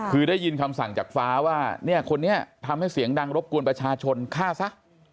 คือได้ยินคำสั่งจากฟ้าว่าเนี่ยคนนี้ทำให้เสียงดังรบกวนประชาชนฆ่าซะ